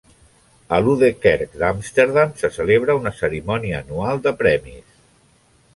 A l'Oude Kerk d'Amsterdam se celebra una cerimònia anual de premis.